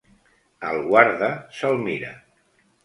El guarda se'l mira.